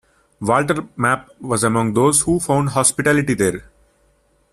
Walter Map was among those who found hospitality there.